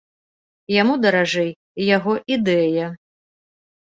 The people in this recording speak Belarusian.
Яму даражэй яго ідэя.